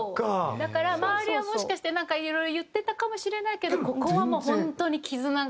だから周りはもしかしてなんかいろいろ言ってたかもしれないけどここはもう本当に絆が。